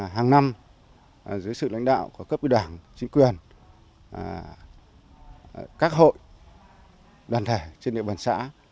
hàng năm dưới sự lãnh đạo của cấp ủy đảng chính quyền các hội đoàn thể trên địa bàn xã